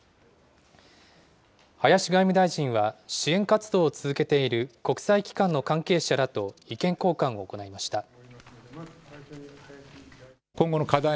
林外務大臣は、支援活動を続けている国際機関の関係者らと意見交換を行いました。